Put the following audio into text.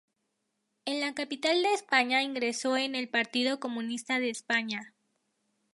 En la capital de España ingresó en el Partido Comunista de España.